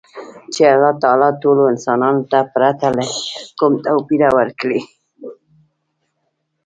چـې اللـه تعـالا ټـولـو انسـانـانـو تـه ،پـرتـه لـه کـوم تـوپـيره ورکـړى.